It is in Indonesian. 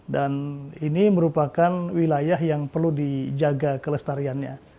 ini merupakan wilayah yang perlu dijaga kelestariannya